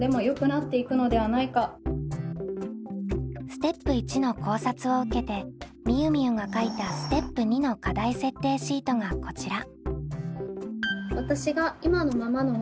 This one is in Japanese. ステップ①の考察を受けてみゆみゆが書いたステップ②の課題設定シートがこちら。